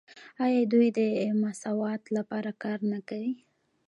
آیا دوی د مساوات لپاره کار نه کوي؟